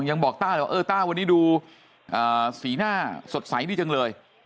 ยังบอกต้าเลยว่าเออต้าวันนี้ดูสีหน้าสดใสนี่จังเลย